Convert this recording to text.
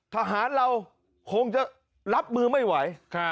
ทหารเราคงจะรับมือไม่ไหว